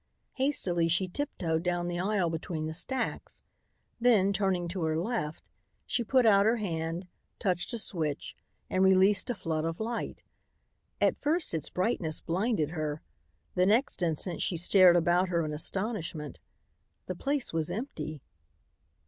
Hastily she tiptoed down the aisle between the stacks. Then, turning to her left, she put out her hand, touched a switch and released a flood of light. At first its brightness blinded her. The next instant she stared about her in astonishment. The place was empty.